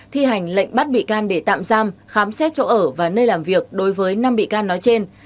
thi hành lệnh bắt bị can để tạm giam khám xét chỗ ở và nơi làm việc đối với năm bị can nói trên